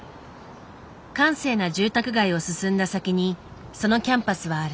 閑静な住宅街を進んだ先にそのキャンパスはある。